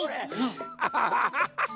アハハハハハ。